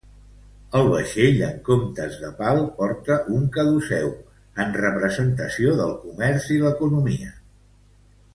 El vaixell, en comptes de pal porta un caduceu, en representació del comerç i l'economia.